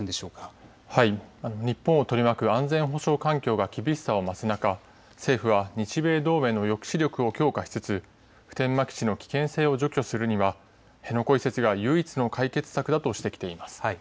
日本を取り巻く安全保障環境が厳しさを増す中、政府は日米同盟の抑止力を強化しつつ普天間基地の危険性を除去するには辺野古移設が唯一の解決策だとしてきています。